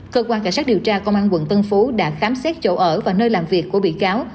cơ quan cảnh sát điều tra công an quận tân phú đã khám xét chỗ ở và nơi làm việc của bị cáo